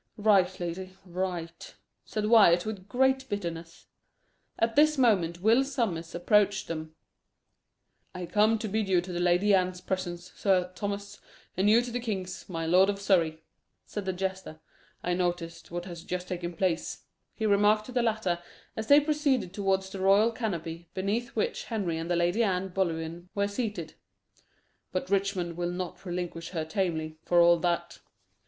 "Right, lady, right," said Wyat, with great bitterness. At this moment Will Sommers approached them. "I come to bid you to the Lady Anne's presence, Sir Thomas, and you to the king's, my lord of Surrey," said the jester. "I noticed what has just taken place," he remarked to the latter, as they proceeded towards the royal canopy, beneath which Henry and the Lady Anne Boleyn were seated; "but Richmond will not relinquish her tamely, for all that."